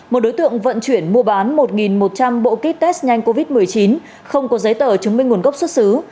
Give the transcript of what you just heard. một đối tượng vận chuyển mua bán một một trăm linh bộ kit test nhanh covid một mươi chín không có giấy tờ chứng minh nguồn gốc xuất xứ